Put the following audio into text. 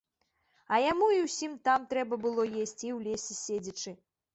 А яму і ўсім там трэба было есці, у лесе седзячы.